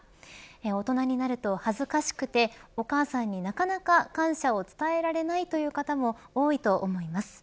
大人になると恥ずかしくてお母さんになかなか感謝を伝えられないという方も多いと思います。